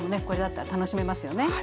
これだったら楽しめますよね。